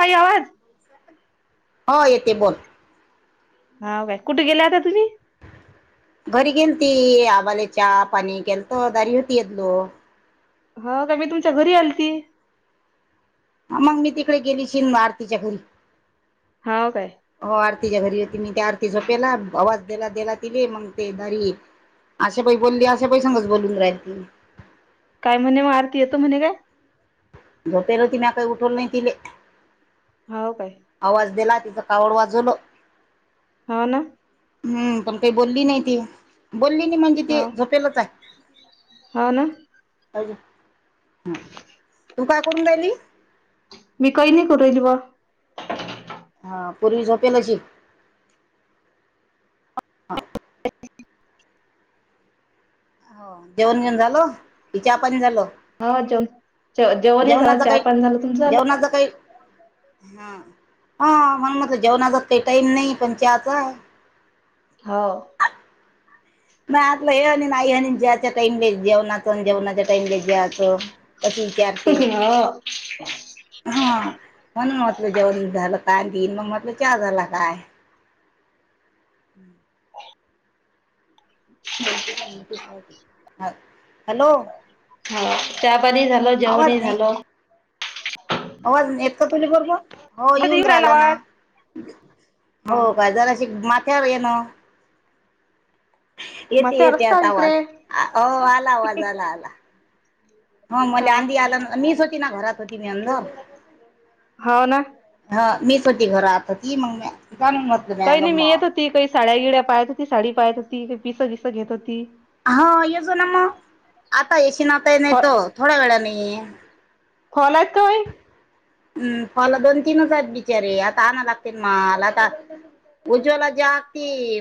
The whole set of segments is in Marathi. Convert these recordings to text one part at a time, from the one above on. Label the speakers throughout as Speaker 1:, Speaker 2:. Speaker 1: काई आवाज
Speaker 2: होा येते बोल
Speaker 1: हा बाय कुठ गेल्या होता तुम्ही
Speaker 2: घरी गेलती आबाले चा पाणी केेल तर दारी होती यदलो
Speaker 1: हा का मी तुमच्या घरी आलती
Speaker 2: ह मग मी तिकडे गेली शिन आरतीच्या घरी
Speaker 1: हाव काय
Speaker 2: हो आरतीच्या घरी होती मी त्या आरती झोपेला आवाज देला तिले मग ते दारी अशा पायी बोलली अशा पायी संगच बोलून राहिल ती
Speaker 1: काय म्हणे मग आरती येतो म्हणे काय?
Speaker 2: झोपेल तीने आता उठवल नाही तिले
Speaker 1: हाव काय
Speaker 2: आवाज दिला तच कावड वाजवलं.
Speaker 1: हा ना
Speaker 2: हम्म पण काही बोलली नाही ती बोलली नाही म्हणजे ते
Speaker 1: हाव
Speaker 2: झोपेलच आहे
Speaker 1: हाव ना
Speaker 2: अज हम.
Speaker 1: मी काही नाही करू राहिली बुवा
Speaker 2: हा पूर्वी झोपेलशी हा. हो जेवण घेऊन झालो कि चा पाणी झालो.
Speaker 1: ह जेवन जेवानहीं झालं चाहा
Speaker 2: काही
Speaker 1: पाणी झालं तुम झाल.
Speaker 2: जेवणाचं काही हा हा म्हग म जेवणाचा काही टाईम नाही पण चहाचा
Speaker 1: हाव
Speaker 2: नाही आतलं हे आणि नाही ज्यायच्या टाईमला जेवणाच आणि जेवणाच्या टाईमला ज्यायचं कशी विचारते
Speaker 1: [inaudible]
Speaker 2: का दिन मग म्हटलं च झाला काय हम्म हॅलो
Speaker 1: चचापाणी झाल
Speaker 2: आवाज
Speaker 1: जेवण
Speaker 2: नाही
Speaker 1: झाल
Speaker 2: आवाज येत का तुझ बरोबर हो
Speaker 1: मध्ये
Speaker 2: येऊन
Speaker 1: येऊ
Speaker 2: राहिला ना
Speaker 1: आवाज हा
Speaker 2: हो काय जरा अशी माथ्यावर ये ना येते
Speaker 1: माथ्यावर
Speaker 2: येते
Speaker 1: रस्ता
Speaker 2: आता
Speaker 1: इकडे
Speaker 2: आवाज अ आला आवाज आला आला हा मला आंधी आला मीच होती ना घरात होती मी अंद
Speaker 1: हाव ना
Speaker 2: हा मी मीच होती घरात होती मग म्या काण मत
Speaker 1: काही नाही मी
Speaker 2: नागमा
Speaker 1: येत होती काही साड्या गिड्या पाहत होती साडी पाहत होती पिसं बिस घेत होती
Speaker 2: हा येजो ना मग आता येश ना आताय नाही
Speaker 1: फॉल
Speaker 2: तो थोड्या वेळा नाही
Speaker 1: फॉल आहेत काय
Speaker 2: फॉल दोन-तीनच आहेत बिचारे आणायला लागतील मला उज्ज्वला जा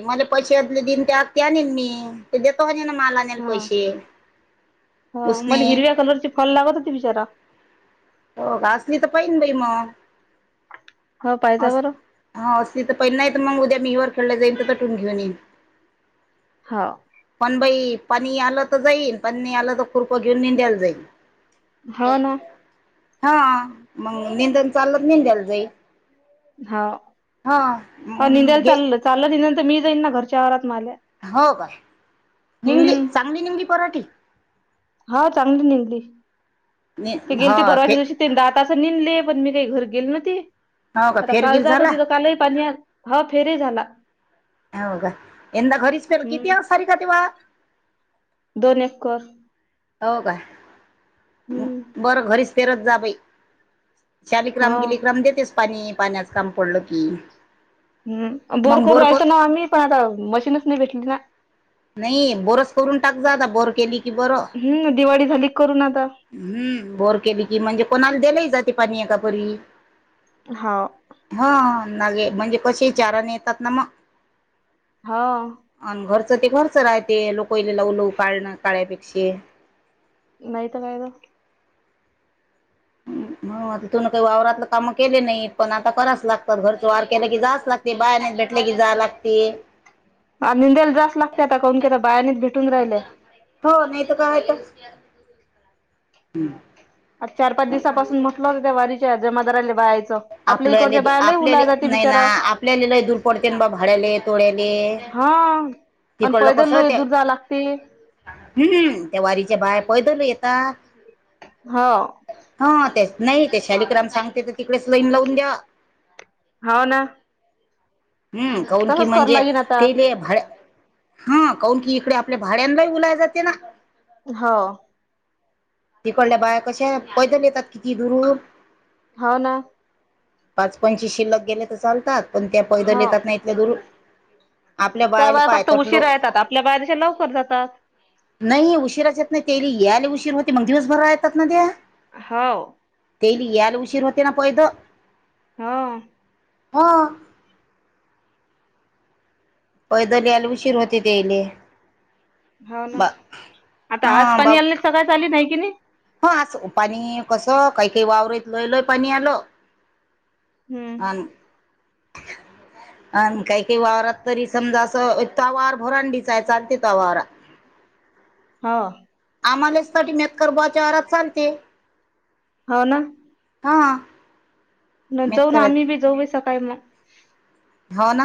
Speaker 2: मला पैसेले दिन त्या आ ते आणल मी ते देतो होणे ना मला आणल पैसे
Speaker 1: हा मला
Speaker 2: उसने
Speaker 1: हिरव्या कलरचे फॉल लागत होते विचारा
Speaker 2: हो घासली तर पाहि ना बाई मग
Speaker 1: हो पाहिजा
Speaker 2: अस
Speaker 1: बरं
Speaker 2: हा अस त तर पहिले नाही तर मग उद्या मी वरखडला जाईल मी घेऊन ये
Speaker 1: हो
Speaker 2: पण बाई पाणी आलं तर जाईन पाणी आलं तर कृपा घेऊन इंद्याला दे
Speaker 1: हो ना
Speaker 2: हा मग निंदन चालल निेंदायला जाई
Speaker 1: हा
Speaker 2: मग
Speaker 1: निंदायला
Speaker 2: घे
Speaker 1: चाललं चाललं निेल तर मी जाईन ना घरच्याव वावरात मला
Speaker 2: हो काय निंगली
Speaker 1: हम्
Speaker 2: चांगली निंगली पराठी.
Speaker 1: हा चांगली निघली ते गेले
Speaker 2: हो
Speaker 1: ते
Speaker 2: फे
Speaker 1: परवाच्या दिवशी त्यां आता असं निेघले पण मी काही घर गेल न ते
Speaker 2: हो का
Speaker 1: आता काल
Speaker 2: फेरगीर
Speaker 1: जात
Speaker 2: झाला
Speaker 1: होती तर कालही पाणी हवा फेर झाला
Speaker 2: हो का यंदा घरीच पेल
Speaker 1: हम्म
Speaker 2: किती सारी का ते वा
Speaker 1: दोन एककर
Speaker 2: हो का बरं घरीच फेरत जा बाई
Speaker 1: हा
Speaker 2: शालिक्राम गिलीिक्राम देतेच पाणी पाण्याचं काम पडलं की
Speaker 1: हम् बोर
Speaker 2: मग
Speaker 1: करू
Speaker 2: क
Speaker 1: यायलच ना आम्ही पण आता मशीनच नाही भेटली ना
Speaker 2: नाही बोरस करून टाक जा बोर केली क बर
Speaker 1: हम्म दिवाळी झाली करून आता
Speaker 2: हम्म बोर केली की म्हणजे कोणाला दिल जाते पाणी आहेकापरी
Speaker 1: हा
Speaker 2: नागे म्हणजे कसे चारण येतात ना मग
Speaker 1: हा
Speaker 2: आणि घरचं ते खरच राहते लोक वलेलाव लव काढणं काळ्यापेक्षे
Speaker 1: नाहीत कायदा
Speaker 2: तिथून काही वावरातलं काम केले नाही पण आता कराच लागत घरच वार केलं की जाच लागते बाहेर नाही भेटले कि जा लागते
Speaker 1: ह निंदायला जास्त लागते आता काून कीता बायानेत भेटून राहिल
Speaker 2: ह हम्म
Speaker 1: आता चार पाच दिवसापासून म्हटलं होत त्या वारीच्या जमादरा
Speaker 2: आपल्याले आपल्या नाही ना
Speaker 1: बिचारा
Speaker 2: आपल्याला लय दूर पडते ना बा भाड्याले तोड्याले
Speaker 1: हा प पैदल लो दूर जा लागते
Speaker 2: हम्म् त्या वारीच्या बाहे पैदल येेत
Speaker 1: हो
Speaker 2: हा नाही ते शालिक्राम सांगते तिकडेच लाईन लावून द्या
Speaker 1: हाव ना
Speaker 2: हम्म कौन की
Speaker 1: तसच करू
Speaker 2: म्हणजे
Speaker 1: लागेन आता
Speaker 2: ते म भाड्या हा कौन की इकडे आपल्या भाड्यांना बोलायला जाते ना
Speaker 1: होा
Speaker 2: तिकडल्या बाया कशा पैदल येतात किती दुरू न
Speaker 1: हाव ना
Speaker 2: पाच पंची शिल्लक गेले तर चालतात पण त्या पैदल
Speaker 1: हो
Speaker 2: येतात ना इथल्या दूरून
Speaker 1: त्या बया फक्त उशीरा येतात आपल्या बाया तशा लवकर जातात.
Speaker 2: नई उशीराच्या येत नाही ते या आले उशीर होते मग दिवसभर राय
Speaker 1: हाव
Speaker 2: तेली याला उशीर होते ना पैद
Speaker 1: हो
Speaker 2: हो.. पैदल याला उशीर होते त्याले.
Speaker 1: हाव ना आता आज पण याल सगळ चाली नाही कि नाही
Speaker 2: ह असं पाणी कसं काही काही वावरत लय लय पाणी आलं.
Speaker 1: हम्म
Speaker 2: अन
Speaker 1: [unintelligible]
Speaker 2: आणि काय काय वावरात तरी समजा असं तवार भरांडीचाय चालते त वारात
Speaker 1: [inaudible] हो
Speaker 2: आम्हालेच साठी मेतकरबुवाच्या घरात चालते.
Speaker 1: हो ना
Speaker 2: हा
Speaker 1: न जाऊन
Speaker 2: मेतकर
Speaker 1: आम्ही बी जाऊ बाई सकाळी मग
Speaker 2: होव ना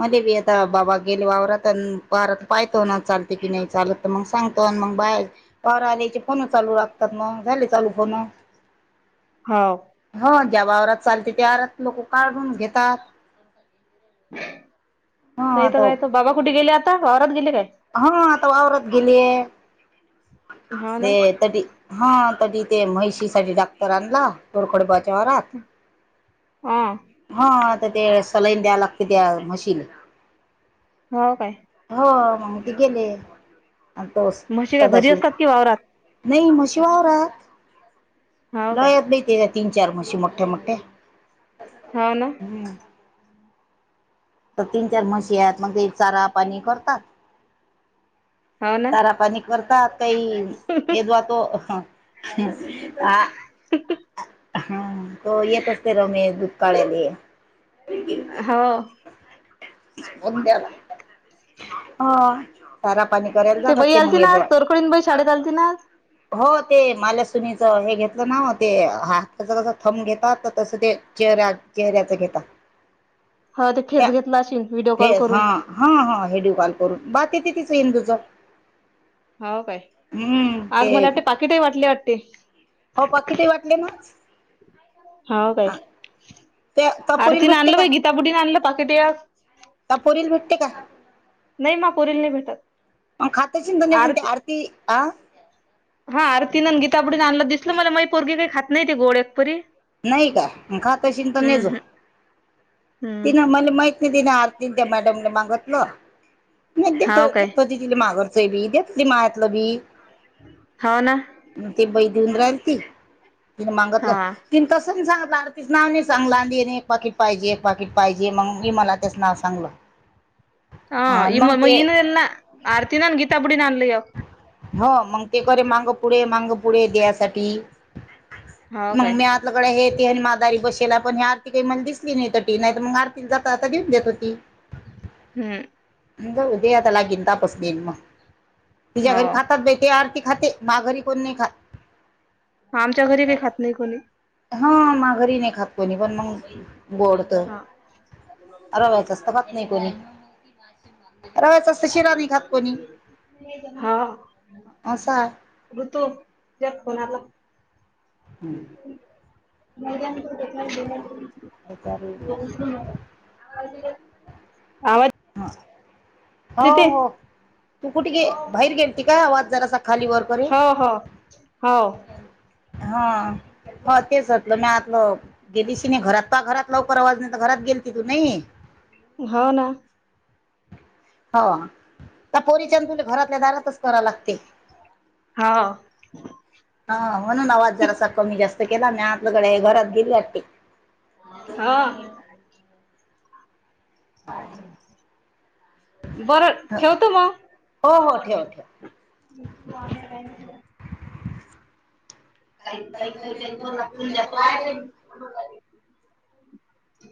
Speaker 2: मले बी आता बाबा गेले वावरात अन् वारात पायेतो ना चालते की नाही चालत तर मग सांगतो. पण मग बाहेर पौर आल्याची फोन चालू लागतात मग झाले चालू फोन
Speaker 1: हाव
Speaker 2: त्या वावरात चालते त्या वावरात लोक काढून घेतात. हा
Speaker 1: नाही तर
Speaker 2: आता
Speaker 1: काय तर बाबा कुठे? गेले आता वावरात गेले काय?
Speaker 2: हा आता वावरात गेलीये
Speaker 1: हाव
Speaker 2: ते
Speaker 1: ना
Speaker 2: तडी हा तडी ते म्हहिशी साठी डाक्टर आणला तोडखोडबाज त्योहारात
Speaker 1: हा
Speaker 2: हा आता ते चलाईन द्याय लागते त्या म्हशीले
Speaker 1: हाव काय
Speaker 2: हो मग ते गेले अन् तोस
Speaker 1: म्हशी काय घरी
Speaker 2: सदाशिव
Speaker 1: असतात की वावरात
Speaker 2: नाही म्हशी वावरात
Speaker 1: हाव काय
Speaker 2: लयेत नही तेज्या तीन चार म्हशी मोठ्या मोठ्या
Speaker 1: हाव ना
Speaker 2: हम्म तर तीन चार म्हशी आहेत मग ते चारा पाणी करतात.
Speaker 1: हाव ना
Speaker 2: चारा पाणी करतात काही मेदवा तो हम आ हा तो येत असते रमेश दुध काढाले
Speaker 1: हो
Speaker 2: म्हंद्याला हाे चारा पाणी करायला जातात
Speaker 1: बाई
Speaker 2: ते मंग
Speaker 1: आलती ना आज
Speaker 2: येदवा
Speaker 1: तोरकडीन बाई शाळेत आलती ना आज
Speaker 2: हो ते माल्या सुनीच मी घेतलं ना वो ते हात कस कसं थंब घेतात तस ते चेहऱ्या चेहऱ्याच घेतात
Speaker 1: हो ते
Speaker 2: त्या
Speaker 1: फेस घेतला अशीन व्हिडिओ कॉल
Speaker 2: फेस
Speaker 1: करून
Speaker 2: हा हा हा हिडीओ कॉल करून बा ति ति तिच इंदुच
Speaker 1: हाव काय आज
Speaker 2: ते
Speaker 1: मला वाटते पाकिटही वाटली वाटते
Speaker 2: हो पाकिटही वाटले नाआज
Speaker 1: हाव काय
Speaker 2: ते तपोरील
Speaker 1: आरती न
Speaker 2: भेटते
Speaker 1: आणल बाई गीताबुड्डीन आणल पाकेट आज
Speaker 2: का पोरीला भेटते का?
Speaker 1: नाही मा पोरीला नाही भेटत
Speaker 2: खातंं शिधं नय त्या आरती अ
Speaker 1: हा आरतीनं अन गीताबुडीनं आणलं दिसलं मला माही पोरगी काही खात नाही ते गोड एक परी
Speaker 2: नाही का म खातशी तर नजो
Speaker 1: हम्म हम्म
Speaker 2: तिन मला माहि तिने आरतीन त्या मॅडम मागतलं नाही देत
Speaker 1: हाव
Speaker 2: द
Speaker 1: काय
Speaker 2: त तिला मागत.. बी देतली मायातलं बी.
Speaker 1: हा ना.
Speaker 2: ते बाई देऊन राहिल ती तिने
Speaker 1: हा
Speaker 2: मागतलं. कस सांगच नाव सांगला एक पाकीिट पाहिजे एक पाकीिट पाहिजे. जे मग मी मला त्याचं नाव सांगल.
Speaker 1: हा इ म म इन एला आरतीनन गीता बुडी नानलय..
Speaker 2: हो मग ते करे मांग पुढे मांग पुढे दयसाठी..
Speaker 1: हो काय.
Speaker 2: हे आणि मादारी बसेला पण हे आरती काही म दिसली नाही ती नाही तर मग आरती जात दिऊन देत होती.
Speaker 1: हम्म.
Speaker 2: अ उदयतला गिंदा पसदन म.. तिच्या्या
Speaker 1: हो
Speaker 2: घरी खातात बाई ते आरती खाते मा घरी कोण नाही खात.
Speaker 1: हा आमच्या घरी बी खात नाही कोणी.
Speaker 2: हा मा घरी नाही खात पोणी पण मग.. गोडत
Speaker 1: हा
Speaker 2: रवायचं असत पात नाही कोणी. रव्याच असतं शिरा नाही खात कोणी
Speaker 1: हा.
Speaker 2: असं आहे
Speaker 1: ऋतू त्या कोोणाला. ह.. ब.. आवाज..
Speaker 2: हो
Speaker 1: तिथे
Speaker 2: हो. तू कुठे गे बाहेर गेलती का आवाज जरासा खाली वर करे.
Speaker 1: हो हो [inaudible]
Speaker 2: हा तेच होतलं मी आतलं. गेलीशी नाही घरात प घरात लवकर आवाज नाही तर घरात गेली..
Speaker 1: होा ना.
Speaker 2: हा. त्या पोरी चांदूला घरातल्या दारातच करा लागते.
Speaker 1: हो
Speaker 2: हा म्हणून आवाज जरा अस कमी जास्त केला मी आतल्याकडे घरात गेली.
Speaker 1: हा.
Speaker 2: ह.
Speaker 1: बरं ठेवतो
Speaker 2: हो हो ठेव
Speaker 1: मग.
Speaker 2: ठेव
Speaker 1: [inaudible] काही काही काही त्यां जास्त बाहेर.. ह..